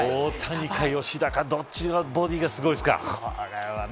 大谷か吉田かどっちのボディがすごいですか。